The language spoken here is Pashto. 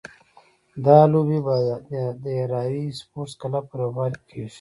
دا لوبې به د هراري سپورټس کلب په لوبغالي کې کېږي.